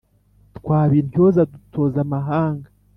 twaba intyoza dutoza amahanga